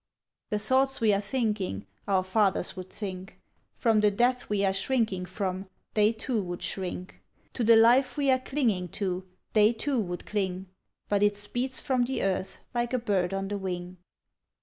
The thoughts we are thinking, our fathers would think; From the death we are shrinking from, they too would shrink; To the life we are clinging to, they too would cling; But it speeds from the earth like a bird on the wing.